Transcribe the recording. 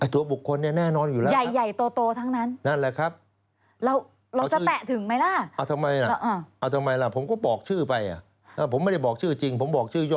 แต่ว่าถ้าเรื่องราวมันมามันต้องมีตัวบุคคลด้วยนะคุณฉูวิทย์